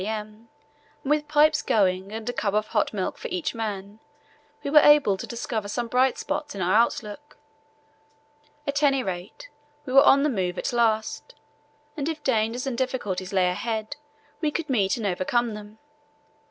and with pipes going and a cup of hot milk for each man, we were able to discover some bright spots in our outlook. At any rate, we were on the move at last, and if dangers and difficulties lay ahead we could meet and overcome them.